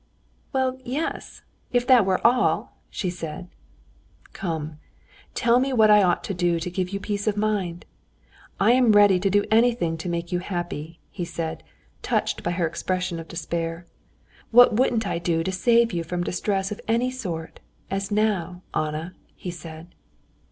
"Well, yes! If that were all!" she said. "Come, tell me what I ought to do to give you peace of mind? I am ready to do anything to make you happy," he said, touched by her expression of despair; "what wouldn't I do to save you from distress of any sort, as now, Anna!" he said.